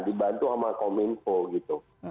dibantu sama kominfo gitu